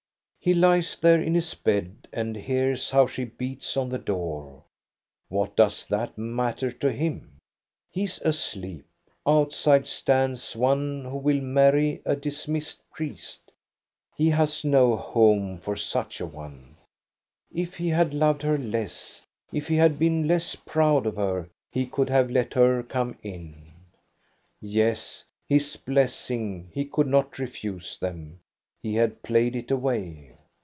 He lies there in his bed, and hears how she beats on the door. What does thiat matter to him? He is asleep. Outside stands one who will marry a dis missed priest ; he has no home for such a one. If he had loved her less, if he had been less proud of her, he could have let her come in. Yes, his blessing he could not refuse them. He had played it away.